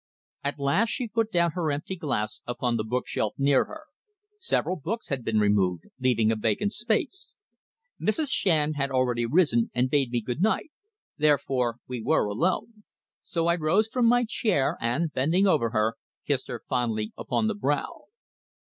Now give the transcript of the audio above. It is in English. At last she put down her empty glass upon the bookshelf near her. Several books had been removed, leaving a vacant space. Mrs. Shand had already risen and bade me good night; therefore, we were alone. So I rose from my chair and, bending over her, kissed her fondly upon the brow.